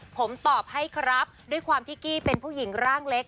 ผมตอบให้ครับด้วยความที่กี้เป็นผู้หญิงร่างเล็ก